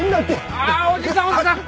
あーっおじさんおじさん。